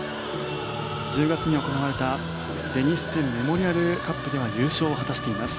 １０月に行われたデニス・テンメモリアルカップでは優勝を果たしています。